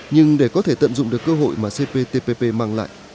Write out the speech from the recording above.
nhưng để có thể tận dụng được cơ hội mà cptpp mang lại